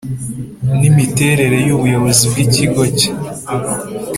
N imiterere y ubuyobozi bw ikigo cye